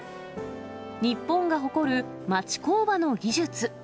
日本が誇る町工場の技術。